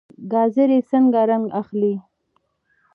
ګازرې څنګه رنګ اخلي؟